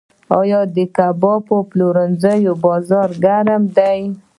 آیا د کباب پلورنځیو بازار ګرم دی؟